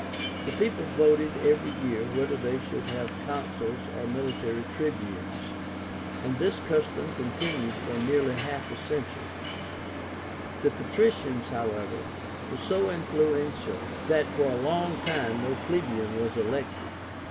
The people voted every year whether they should have consuls or military tribunes, and this custom continued for nearly a half century. The patricians, however, were so influential, that for a long time no plebeian was elected.